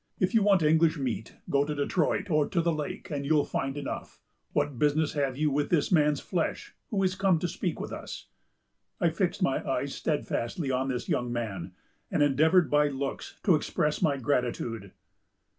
If you want English meat, go to Detroit, or to the lake, and you'll find enough. What business have you with this man's flesh, who is come to speak with us?' I fixed my eyes steadfastly on this young man, and endeavored by looks to express my gratitude."